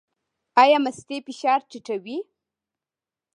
ایا مستې فشار ټیټوي؟